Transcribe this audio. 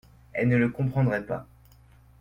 Elle ne le comprendrait pas.